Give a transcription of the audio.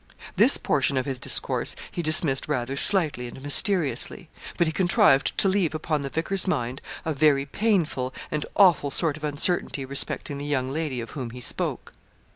This portion of his discourse he dismissed rather slightly and mysteriously; but he contrived to leave upon the vicar's mind a very painful and awful sort of uncertainty respecting the young lady of whom he spoke.